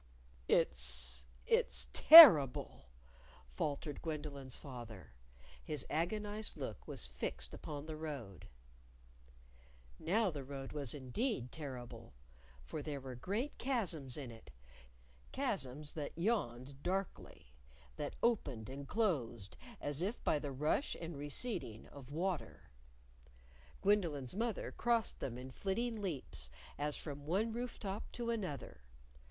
"It's it's terrible," faltered Gwendolyn's father. His agonized look was fixed upon the road. Now the road was indeed terrible. For there were great chasms in it chasms that yawned darkly; that opened and closed as if by the rush and receding of water. Gwendolyn's mother crossed them in flitting leaps, as from one roof top to another.